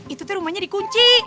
itu te rumahnya di kunci